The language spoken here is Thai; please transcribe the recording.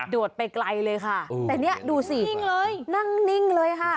มันโดดไปไกลเลยค่ะแต่เนี่ยดูสินั่งนิ่งเลยค่ะ